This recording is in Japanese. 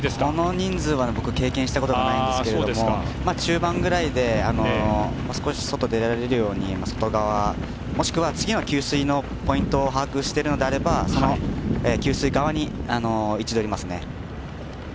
この人数は僕、経験したことがないんですけれども中盤ぐらいで少し外に出られるように外側、もしくは次の給水ポイントを把握しているのであればその給水側に位置取りますね。